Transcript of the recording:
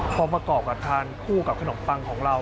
พอประกอบกับทานคู่กับขนมปังของเรา